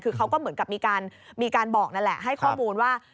คือเขาก็เหมือนกับมีการบอกนั่นแหละให้ข้อมูลว่า